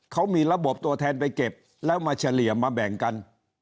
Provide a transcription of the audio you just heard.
เขามีระบบตัวแทนไปเก็บแล้วมาเฉลี่ยมาแบ่งกัน